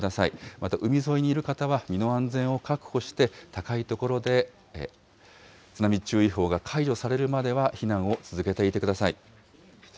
また、海沿いにいる方は、身の安全を確保して、高い所で津波注意報が解除されるまでは、避難を続けていてください。